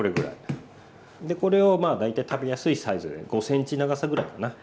これをまあ大体食べやすいサイズで５ｃｍ長さぐらいかな。